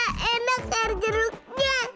oleh enak arihuruknya